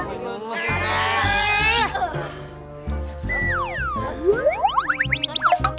aduh aneh banget juga